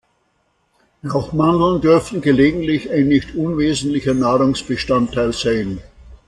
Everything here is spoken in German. Auch Mandeln dürften gelegentlich ein nicht unwesentlicher Nahrungsbestandteil sein.